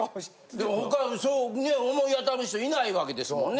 でも他ね思い当たる人いない訳ですもんね。